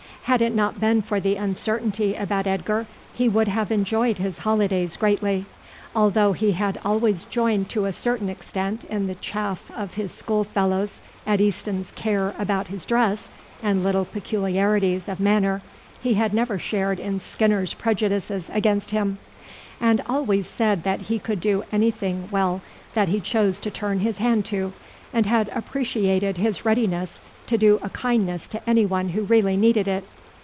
Had it not been for the uncertainty about Edgar he would have enjoyed his holidays greatly. Although he had always joined to a certain extent in the chaff of his school fellows at Easton's care about his dress and little peculiarities of manner, he had never shared in Skinner's prejudices against him, and always said that he could do anything well that he chose to turn his hand to, and had appreciated his readiness to do a kindness to anyone who really needed it.